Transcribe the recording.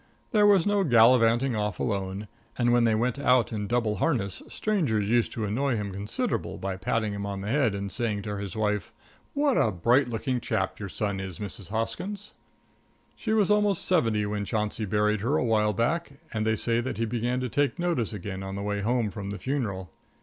There was no gallivanting off alone, and when they went out in double harness strangers used to annoy him considerable by patting him on the head and saying to his wife: "What a bright looking chap your son is, Mrs. Hoskins!" She was almost seventy when Chauncey buried her a while back, and they say that he began to take notice again on the way home from the funeral.